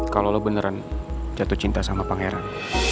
kalau lo beneran jatuh cinta sama pangeran